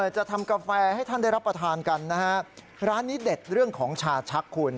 จะทำกาแฟให้ท่านได้รับประทานกันนะฮะร้านนี้เด็ดเรื่องของชาชักคุณ